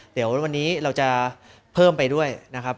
เดี๋ยววันนี้เราจะเพิ่มไปด้วยนะครับ